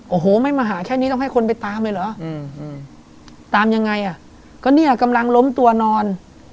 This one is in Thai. โอ้โหไม่มาหาแค่นี้ต้องให้คนไปตามเลยเหรอตามยังไงอ่ะก็เนี่ยกำลังล้มตัวนอน